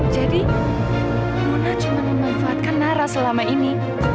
jadi nona cuma memanfaatkan nara selama ini